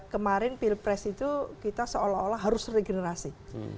kemarin pilpres itu kita seolah olah harus regenerasi